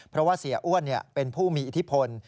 เพราะว่าเสียอ้วนเป็นผู้มีอิทธิพล